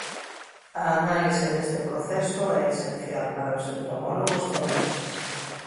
A análise deste proceso é esencial para os entomólogos forenses.